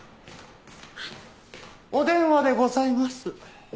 お電話でございます。